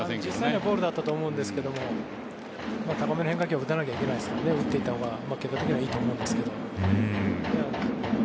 実際にはボールだったと思うんですけど変化球を打たなきゃいけないので打っていかなきゃいけないと思うんですけど。